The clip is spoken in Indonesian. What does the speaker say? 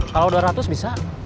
kalau dua ratus bisa